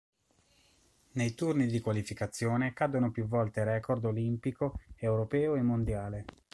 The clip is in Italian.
Nei turni di qualificazione cadono più volte record olimpico, europeo e mondiale.